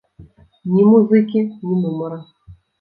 Ні музыкі, ні нумара.